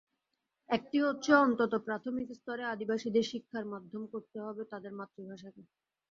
একটি হচ্ছে, অন্তত প্রাথমিক স্তরে আদিবাসীদের শিক্ষার মাধ্যম করতে হবে তাদের মাতৃভাষাকে।